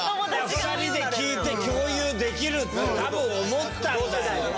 ２人で聴いて共有できるって多分思ったんだよ。